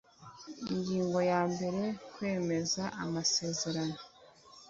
ingingo ya mbere kwemeza amazerano